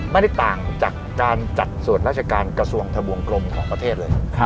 ไม่ได้ต่างจากการจัดส่วนราชการกระทรวงทะวงกลมของประเทศเลย